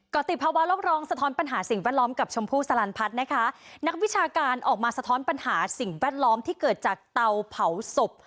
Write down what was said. ก็ติดภาวะโลกร้องสะท้อนปัญหาสิ่งแวดล้อมกับชมพู่สลันพัฒน์นะคะนักวิชาการออกมาสะท้อนปัญหาสิ่งแวดล้อมที่เกิดจากเตาเผาศพ